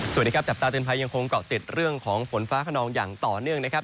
สวัสดีครับจับตาเตือนภัยยังคงเกาะติดเรื่องของฝนฟ้าขนองอย่างต่อเนื่องนะครับ